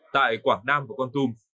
tại quảng nam và con tum